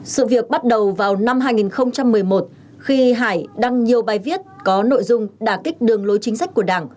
sự việc bắt đầu vào năm hai nghìn một mươi một khi hải đăng nhiều bài viết có nội dung đà kích đường lối chính sách của đảng